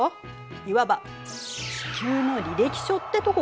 いわば地球の履歴書ってとこかしら。